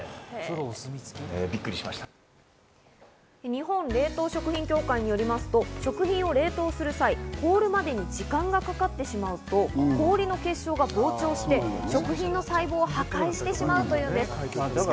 日本冷凍食品協会によりますと、食品を冷凍する際、凍るまでに時間がかかってしまうと、氷の結晶が膨張して、食品の細胞を破壊してしまうというんです。